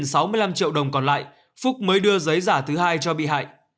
trước khi nhận được tiền sáu mươi năm triệu đồng còn lại phúc mới đưa giấy giả thứ hai cho bị hại